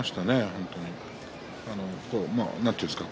本当に。なんていうんですか